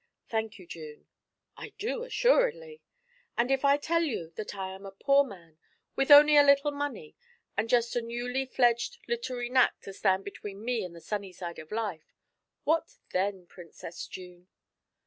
Thank you, June.' 'I do, assuredly.' 'And if I tell you that I am a poor man, with only a little money and just a newly fledged literary knack to stand between me and the sunny side of life what then, Princess June?'